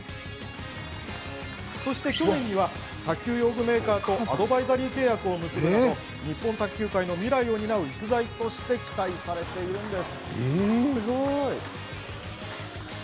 そして、去年には卓球用具メーカーとアドバイザリー契約を結ぶなど日本卓球界の未来を担う逸材として期待されているんです。